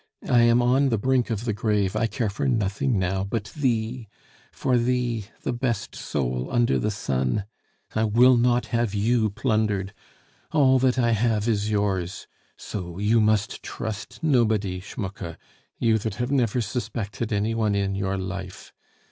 I am on the brink of the grave, I care for nothing now but thee for thee, the best soul under the sun.... "I will not have you plundered; all that I have is yours. So you must trust nobody, Schmucke, you that have never suspected any one in your life.